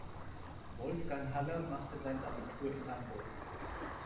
Wolfgang Haller machte sein Abitur in Hamburg.